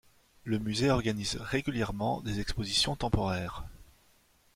Le musée organise régulièrement des expositions temporaires.